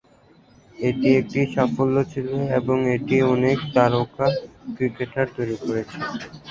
এটি একটি সাফল্য ছিল এবং এটি অনেক তারকা ক্রিকেটার তৈরি করেছে।